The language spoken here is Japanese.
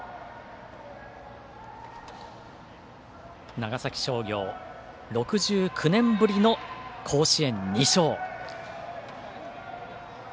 長崎商業６９年ぶりの甲子園２勝。